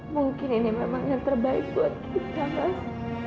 mungkin ini memang yang terbaik buat kita